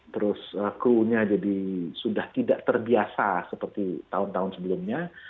terus kru nya jadi sudah tidak terbiasa seperti tahun tahun sebelumnya